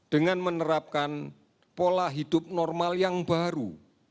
dengan menerapkan pola hidup normal yang baru